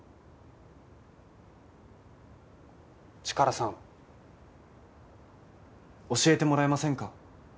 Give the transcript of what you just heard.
チカラさん教えてもらえませんか？